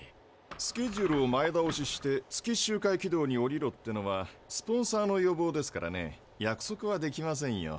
「スケジュールを前だおしして月周回軌道に降りろ」ってのはスポンサーの要望ですからね約束はできませんよ。